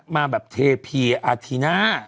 มาแบบเทพีอาทีน่า